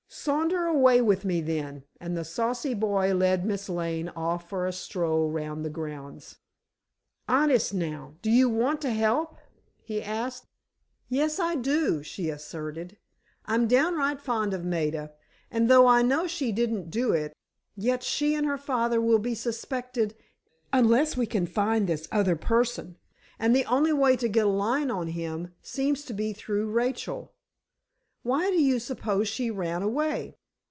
"Saunter away with me, then," and the saucy boy led Miss Lane off for a stroll round the grounds. "Honest, now, do you want to help?" he asked. "Yes, I do," she asserted. "I'm downright fond of Maida, and though I know she didn't do it, yet she and her father will be suspected unless we can find this other person. And the only way to get a line on him, seems to be through Rachel. Why do you suppose she ran away?"